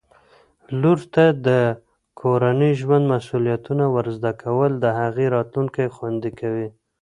لور ته د کورني ژوند مسؤلیتونه ور زده کول د هغې راتلونکی خوندي کوي